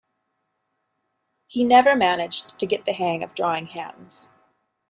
He never managed to get the hang of drawing hands.